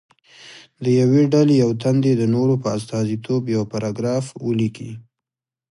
د یوې ډلې یو تن دې د نورو په استازیتوب یو پاراګراف ولیکي.